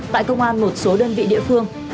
tại công an một số đơn vị địa phương